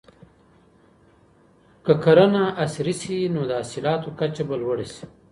که کرنه عصري سي نو د حاصلاتو کچه به لوړه سي.